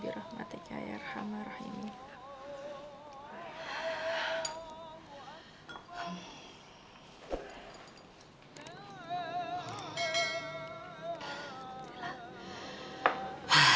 lu mesti tau akal ya